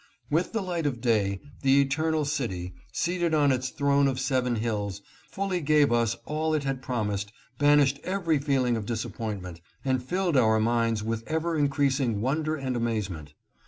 With the light of day, the Eternal City, seated on its throne of seven hills, fully gave us all it had promised, banished every feeling of disappointment, and filled our minds with ever increasing wonder and amazement.